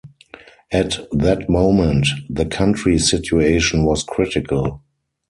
At that moment, the country situation was critical.